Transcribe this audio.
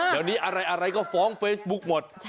เดี๋ยวนี้อะไรก็ฟ้องเฟซบุ๊กหมด